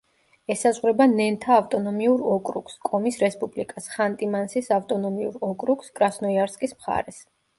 ესაზღვრება ნენთა ავტონომიურ ოკრუგს, კომის რესპუბლიკას, ხანტი-მანსის ავტონომიურ ოკრუგს, კრასნოიარსკის მხარეს.